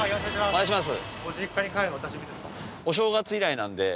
お願いします